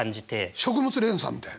食物連鎖みたいな？